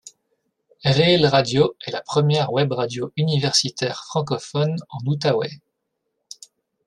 Réél-Radio est la première Web radio universitaire francophone en Outaouais.